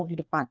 aduh kita demo